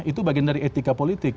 itu bagian dari etika politik